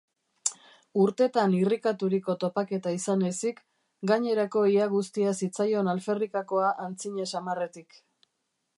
Urtetan irrikaturiko topaketa izan ezik, gainerako ia guztia zitzaion alferrikakoa antzina samarretik.